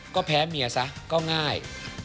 ก็แพ้เมียซะก็ง่าย